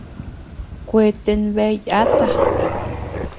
Kueten bea yáta.